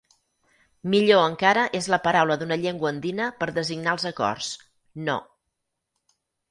Millor encara és la paraula d'una llengua andina per designar els acords: No.